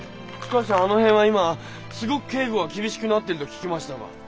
しかしあの辺は今すごく警護が厳しくなってると聞きましたが。